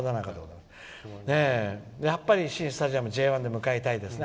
やっぱり新スタジアムＪ１で迎えたいですね。